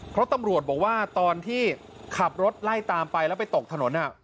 เพราะตำรวจบอกว่าตอนที่ขับรถไล่ตามไปแล้วไปตกถนน